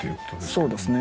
そうですね。